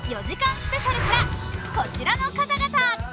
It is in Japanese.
スペシャルからこちらの方々。